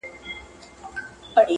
په ځای ګمارل کېږي